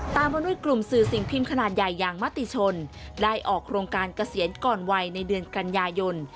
ตามมาด้วยกลุ่มสื่อสิ่งพิมพ์ขนาดใหญ่อย่างมติชนได้ออกโครงการเกษียณก่อนวัยในเดือนกันยายน